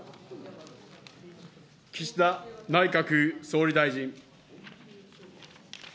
岸田内閣総理大臣。